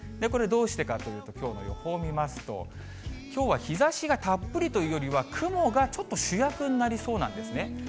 これ、どうしてかというと、きょうの予報を見ますと、きょうは日ざしがたっぷりというよりは雲がちょっと主役になりそうなんですね。